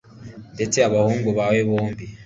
ndetse abahungu bawe bombi